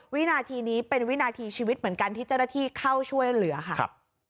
วินาทีนี้เป็นวินาทีชีวิตเหมือนกันที่เจ้าหน้าที่เข้าช่วยเหลือค่ะ